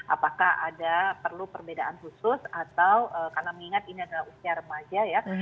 apakah ada perlu perbedaan khusus atau karena mengingat ini adalah usia remaja ya